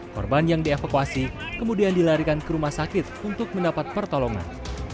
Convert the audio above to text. korban yang dievakuasi kemudian dilarikan ke rumah sakit untuk mendapat pertolongan